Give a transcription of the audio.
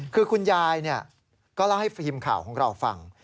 คือคุณยายก็เล่าให้ทีมข่าวของเราฟัง